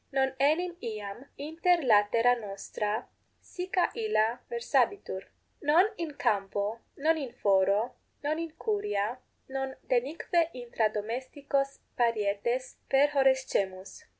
Non enim iam inter latera nostra sica illa versabitur; non in campo, non in foro, non in curia, non denique intra domesticos parietes perhorrescemus.